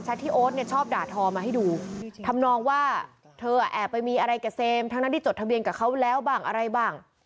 ที่โอ๊ตเนี่ยชอบด่าทอมาให้ดูทำนองว่าเธอแอบไปมีอะไรกับเซมทั้งนั้นที่จดทะเบียนกับเขาแล้วบ้างอะไรบ้าง